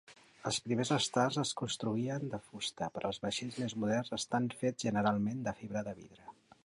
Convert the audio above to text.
Els primers Stars es construïen de fusta, però els vaixells més moderns estan fets generalment de fibra de vidre.